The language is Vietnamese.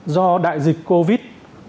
do đại dịch covid